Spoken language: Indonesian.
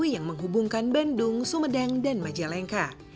yang menghubungkan bandung sumedang dan majalengka